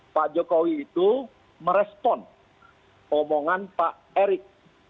pak jokowi itu merespon omongan pak erik